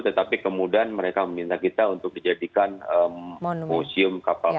tetapi kemudian mereka meminta kita untuk dijadikan museum kapal